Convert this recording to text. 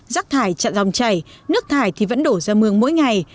rác thải chặn dòng chảy nước thải thì vẫn đổ ra mương mỗi ngày